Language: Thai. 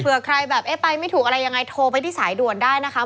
ใครแบบเอ๊ะไปไม่ถูกอะไรยังไงโทรไปที่สายด่วนได้นะคะ